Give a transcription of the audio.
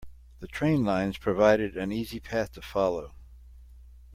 The train lines provided an easy path to follow.